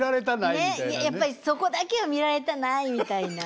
ねっそこだけは見られたないみたいな。